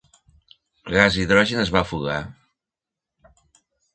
El gas hidrogen es va fugar.